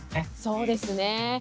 そうですね。